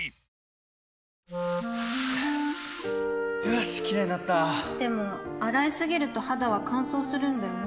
よしキレイになったでも、洗いすぎると肌は乾燥するんだよね